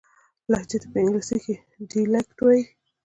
لهجې ته په انګلیسي کښي Dialect وایي.